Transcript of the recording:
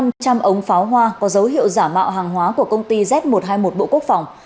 gần một năm trăm linh ống pháo hoa có dấu hiệu giả mạo hàng hóa của công ty z một trăm hai mươi một bộ quốc phòng